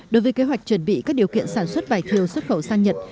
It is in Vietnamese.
đối với kế hoạch chuẩn bị các điều kiện sản xuất vải thiều xuất khẩu sang nhật